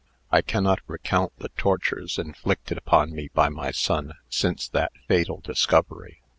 I cannot recount the tortures inflicted upon me by my son since that fatal discovery.